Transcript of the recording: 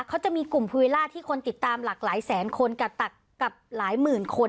เขาจะมีกลุ่มภูวิลล่าที่คนติดตามหลากหลายแสนคนกับตักกับหลายหมื่นคน